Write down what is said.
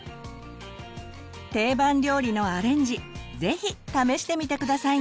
定番料理のアレンジぜひ試してみて下さいね！